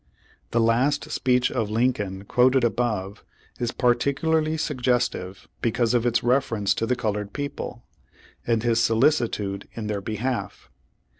The last speech of Lincoln, quoted above, is par ticularly suggestive because of its reference to the colored people, and his solicitude in their behalf.